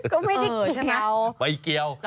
ก็ไม่ได้เกี่ยวนะเนี่ยเออใช่ไหมไปเกี่ยว